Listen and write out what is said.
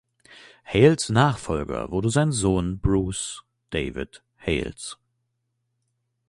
Hales’ Nachfolger wurde sein Sohn Bruce David Hales.